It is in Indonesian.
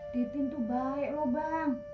dating tuh baik loh bang